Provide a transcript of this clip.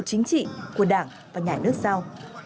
chính trị của đảng và nhà nước sau